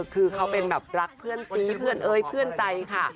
คือเขาเป็นแบบรักเพื่อนซีเพื่อนเอ้ยเพื่อนใจค่ะ